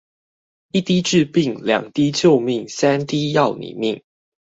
一滴治病，兩滴救命，三滴要你命